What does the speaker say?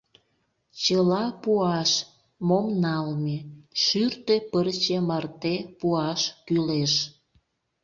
— Чыла пуаш, мом налме, шӱртӧ пырче марте пуаш кӱлеш...